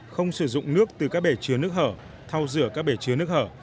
không sử dụng nước từ các bể chứa nước hở thao rửa các bể chứa nước hở